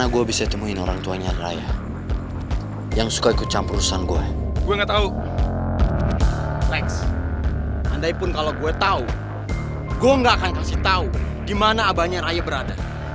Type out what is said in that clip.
gue gak akan kasih tau dimana abahnya raya berada